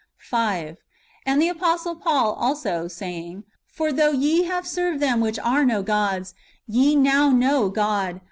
5. And the Apostle Paul also, saying, "For though ye have served them which are no gods ; ye now know God, 1 Jer.